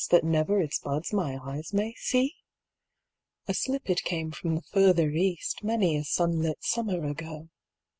That never its buds my eyes may see ? 29 " A slip it came from the further East Many a sunlit summer ago."